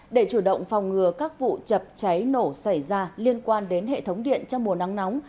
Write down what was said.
để chủ động phòng ngừa các vụ chập cháy nổ xảy ra liên quan đến hệ thống điện trong mùa nắng nóng